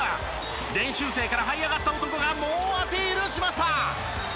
練習生からはい上がった男が猛アピールしました。